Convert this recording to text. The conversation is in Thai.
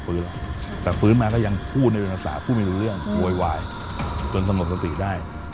ฟื้นแต่ฟื้นมาก็ยังพูดในบริษัทพูดไม่รู้เรื่องโวยวายจนสมบัติได้